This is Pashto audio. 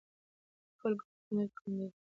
د خلکو په خدمت کې خوند دی.